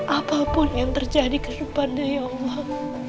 apapun yang terjadi ke depannya ya allah